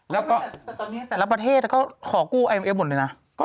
แต่ตอนนี้แต่ละประเทศก็ขอกู้ไอ้หมดเลยนะ